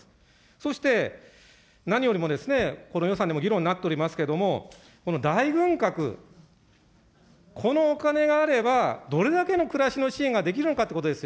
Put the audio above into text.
そして、何よりもですね、この予算でも議論になっておりますけれども、この大軍拡、このお金があれば、どれだけの暮らしの支援ができるのかってことですよ。